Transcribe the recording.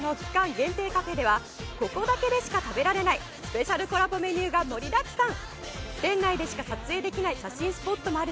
限定カフェではここだけでしか食べられないスペシャルコラボメニューが盛りだくさん。